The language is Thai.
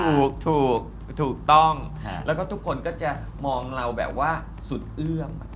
ถูกถูกต้องแล้วก็ทุกคนก็จะมองเราแบบว่าสุดเอื้อม